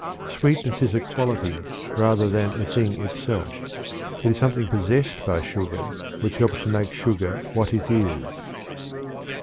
Sweetness is a quality rather than a thing itself. It is something possessed by sugar which helps to make sugar what it is.